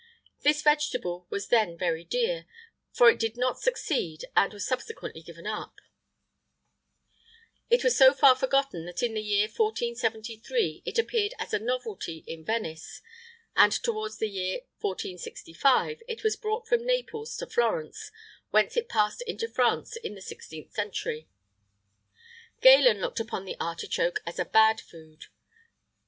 [IX 93] This vegetable was then very dear,[IX 94] for it did not succeed, and was subsequently given up. It was so far forgotten that in the year 1473 it appeared as a novelty at Venice;[IX 95] and towards the year 1465 it was brought from Naples to Florence, whence it passed into France in the sixteenth century.[IX 96] Galen[IX 97] looked upon the artichoke as a bad food.